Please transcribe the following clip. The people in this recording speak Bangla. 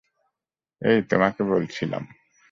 এই, তোমাকে বলেছিলাম।